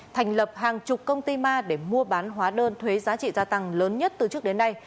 thành lập hàng chục công ty ma để mua bán hóa đơn thuế giá trị gia tăng lớn nhất từ trước đến nay